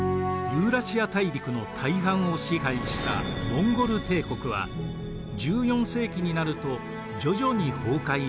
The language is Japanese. ユーラシア大陸の大半を支配したモンゴル帝国は１４世紀になると徐々に崩壊していきます。